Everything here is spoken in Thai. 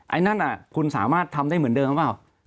ไอ้นั่นคุณสามารถทำได้เหมือนเดิมหรือเปล่า